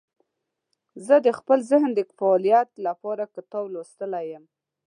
زه د خپل ذهن د فعالیت لپاره کتاب لوستلی یم.